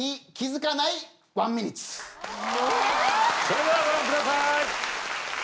それではご覧ください